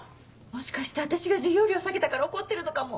もしかして私が授業料下げたから怒ってるのかも。